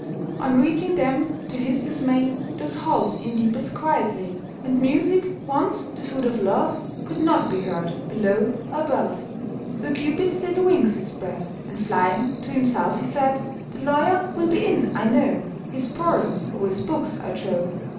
On reaching them, to his dismay, Those halls in deepest quiet lay; And music, once the food of love, Could not be heard below, above. So Cupid's little wings he spread, And, flying, to himself he said, "The lawyer will be in, I know, He's poring o'er his books, I trow.